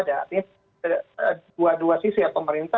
ini dua dua sisi ya pemerintah harus terus meningkatkan kesiapan mereka